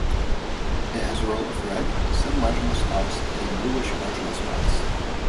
It has a row of red submarginal spots and bluish marginal spots.